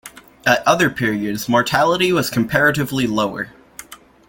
At other periods, mortality was comparatively lower.